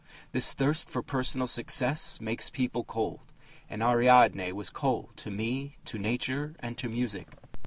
"This thirst for personal success ... makes people cold, and Ariadne was cold to me, to nature, and to music."